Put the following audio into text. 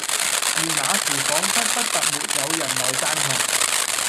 然而那時仿佛不特沒有人來贊同，